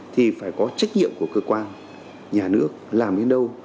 thì phải có trách nhiệm của cơ quan nhà nước làm đến đâu